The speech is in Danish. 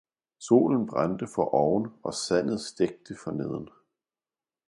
Solen brændte foroven, og sandet stegte forneden.